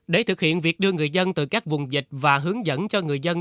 để thực hiện việc đưa người dân từ các vùng dịch và hướng dẫn cho người dân